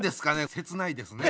切ないですね。